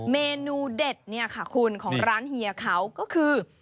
เมนูเด็ดเนี่ยค่ะคุณของร้านเฮียเขาก็คือ